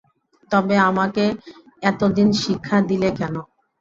তবে আমাকে এত দিন শিক্ষা দিলে কেন?